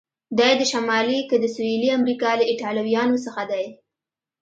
دی د شمالي که د سهیلي امریکا له ایټالویانو څخه دی؟